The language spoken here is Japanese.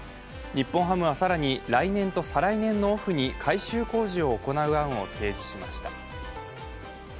日本ハムは更に来年と再来年のオフに改修工事を行う案を提示しました。